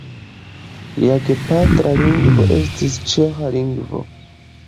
Lia gepatra lingvo estis ĉeĥa lingvo.